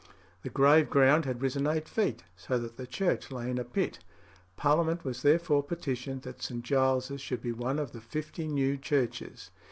The grave ground had risen eight feet, so that the church lay in a pit. Parliament was therefore petitioned that St. Giles's should be one of the fifty new churches.